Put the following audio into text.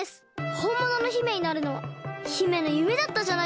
ほんものの姫になるのは姫のゆめだったじゃないですか！